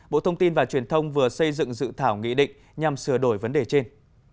bộ thông tin và truyền thông vừa xây dựng dự thảo nghị định nhằm sửa đổi vấn đề trên